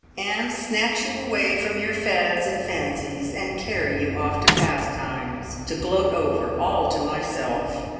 and snatch you away from your fads and fancies, and carry you off to `Pastimes,' to gloat over, all to myself!